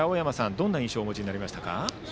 どんな印象をお持ちになりましたか？